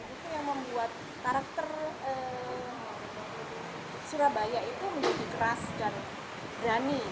itu yang membuat karakter surabaya itu menjadi keras dan berani